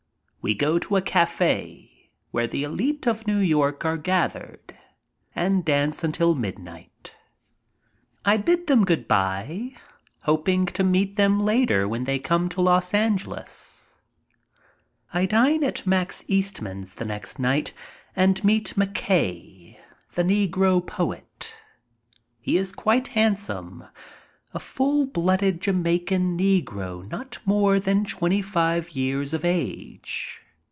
We go to a cafe, where the elite of New York are gathered, and dance until midnight. I bid them good by, hoping to meet them later when they come to Los Angeles. I dine at Max Eastman's the next night and meet McKay, the negro poet. He is quite handsome, a full blooded Jamaican negro not more than twenty five years of age.